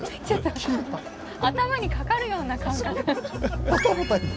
ちょっと頭にかかるような感覚。